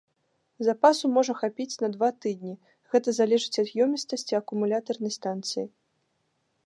Запасу можа хапіць на два тыдні, гэта залежыць ад ёмістасці акумулятарнай станцыі.